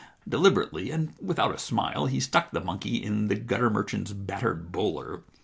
Deliberately and without a smile he stuck the monkey in the gutter merchant's battered bowler.